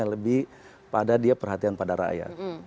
atau dia lebih pada dia perhatian pada rakyat